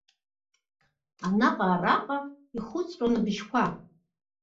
Анаҟа, араҟа ихәыҵҟьон абыжьқәа.